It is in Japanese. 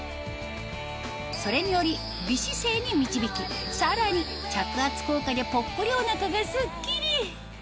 それにより美姿勢に導きさらに着圧効果でぽっこりお腹がスッキリ！